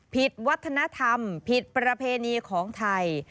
ผิดวัฒนธรรมผิดประเพณีของไทย